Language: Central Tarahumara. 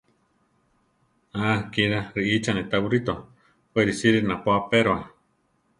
A kilá riʼíchane tá buríto; we risíre napó apéroa.